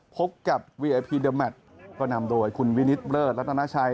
พบกับเวียพีเดอร์แมทก็นำโดยคุณวินิตเลิศรัตนาชัย